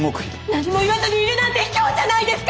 何も言わずにいるなんてひきょうじゃないですか！